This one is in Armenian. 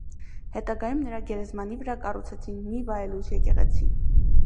Հետագայում նրա գերեզմանի վրա կառուցեցին մի վայելուչ եկեղեցի։